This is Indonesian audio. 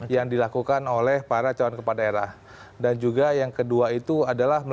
yang dilakukan oleh para cawan kepada daerah